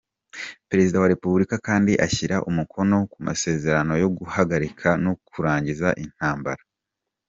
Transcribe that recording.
Perezida wa Repubulika kandi ashyira umukono ku masezerano yo guhagarika no kurangiza intambara.